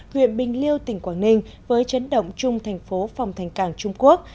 huyện bình liêu tỉnh quảng ninh với chấn động chung thành phố phòng thành cảng trung quốc